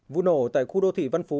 vụ nổ tại khu đô thị văn phú